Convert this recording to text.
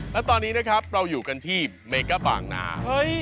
และตอนนี้นะครับเราอยู่กันที่เมก้าบางนา